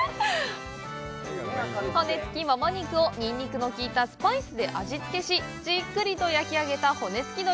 骨付きもも肉をニンニクの効いたスパイスで味付けしじっくりと焼き上げた骨付鳥。